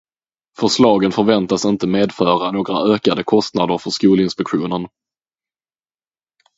Förslagen förväntas inte medföra några ökade kostnader för Skolinspektionen.